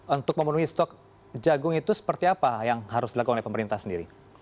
untuk memenuhi stok jagung itu seperti apa yang harus dilakukan oleh pemerintah sendiri